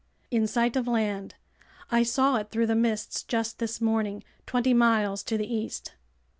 "In sight of land. I saw it through the mists just this morning, twenty miles to the east."